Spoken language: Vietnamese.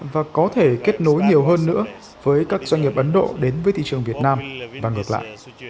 và có thể kết nối nhiều hơn nữa với các doanh nghiệp ấn độ đến với thị trường việt nam và ngược lại